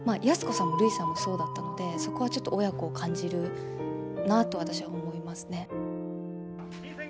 安子さんもるいさんもそうだったのでそこはちょっと親子を感じるなと私は思いますね。